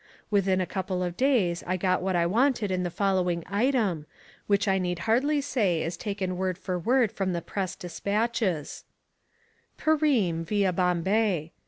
Within a couple of days I got what I wanted in the following item, which I need hardly say is taken word for word from the Press despatches: "Perim, via Bombay.